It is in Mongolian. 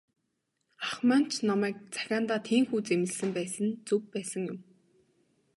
Ах маань ч намайг захиандаа тийнхүү зэмлэсэн байсан нь зөв байсан юм.